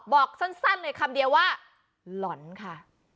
บอกสั้นเลยคำเดียวว่าหล่อนค่ะ